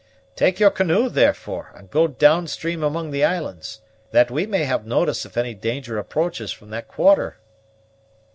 Take your canoe, therefore, and go down stream among the islands, that we may have notice if any danger approaches from that quarter."